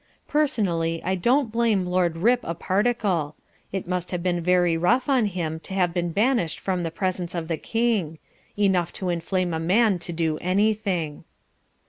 Personally I don't blame Lord Rip a particle; it must have been very rough on him to have been banished from the presence of the king enough to inflame a man to do anything.